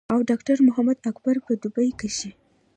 او ډاکټر محمد اکبر پۀ دوبۍ کښې